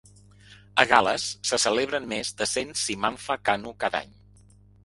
A Gal·les, més se celebren més de cent Cymanfa Ganu cada any.